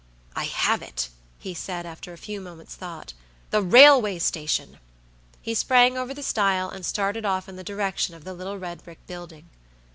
"I have it," he said, after a few minutes' thought; "the railway station!" He sprang over the stile, and started off in the direction of the little red brick building.